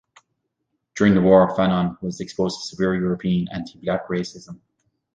During the war, Fanon was exposed to severe European anti-black racism.